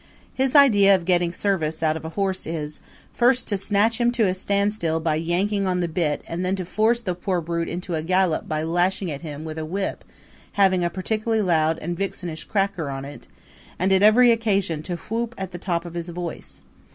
His idea of getting service out of a horse is, first to snatch him to a standstill by yanking on the bit and then to force the poor brute into a gallop by lashing at him with a whip having a particularly loud and vixenish cracker on it; and at every occasion to whoop at the top of his voice.